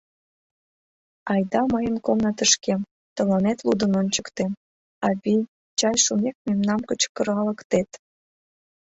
Айда мыйын комнатышкем, тыланет лудын ончыктем...Авий, чай шумек мемнам кычкыралыктет.